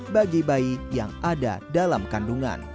bagi bayi yang ada dalam kandungan